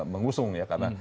mengusung ya karena